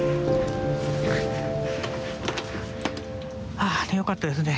ああよかったですね